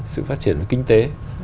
sự phát triển kinh tế